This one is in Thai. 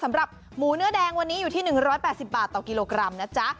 สำหรับหมูเนื้อแดงวันนี้อยู่ที่๑๘๐บาทต่อกิโลกรัมนะจ๊ะ